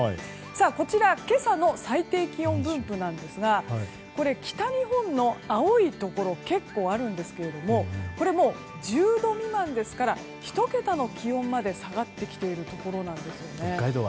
こちら今朝の最低気温分布ですが北日本の青いところ結構あるんですけれどもこれもう１０度未満ですから１桁の気温まで下がってきているところなんですよね。